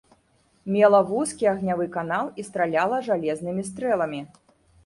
Мела вузкі агнявы канал і страляла жалезнымі стрэламі.